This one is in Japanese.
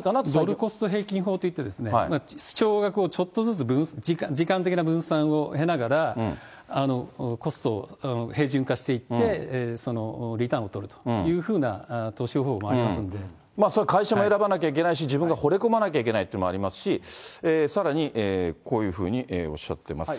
ドルコスト平均法といって、少額をちょっとずつ時間的な分散を経ながら、コストを平準化していって、そのリターンを取るというふうな投資方法もそれは会社も選ばなきゃいけないし、自分がほれ込まなきゃいけないっていうのもありますし、さらにこういうふうにおっしゃっています。